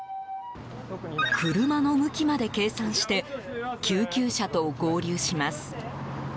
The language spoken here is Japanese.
車の向きまで計算して救急車と合流します。